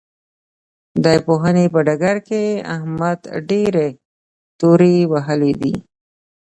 د پوهنې په ډګر کې احمد ډېرې تورې وهلې دي.